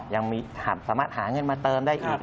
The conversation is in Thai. สามารถหาเงินมาเติมได้อีก